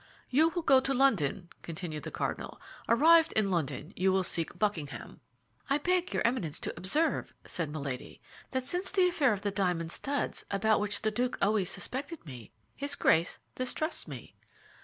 "You will go to London," continued the cardinal. "Arrived in London, you will seek Buckingham." "I must beg your Eminence to observe," said Milady, "that since the affair of the diamond studs, about which the duke always suspected me, his Grace distrusts me."